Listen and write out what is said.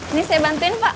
ini saya bantuin pak